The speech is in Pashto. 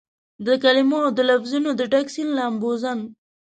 دکلمو اودلفظونو دډک سیند لامبوزن